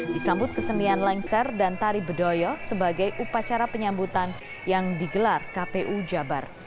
disambut kesenian lengser dan tari bedoyo sebagai upacara penyambutan yang digelar kpu jabar